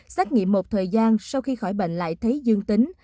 xét nghiệm một thời gian sau khi khỏi bệnh lại thấy dương tính